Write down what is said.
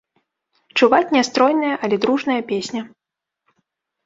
Чуваць нястройная, але дружная песня.